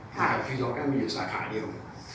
ฮาคีโนกันมีอยู่สาขาเดียว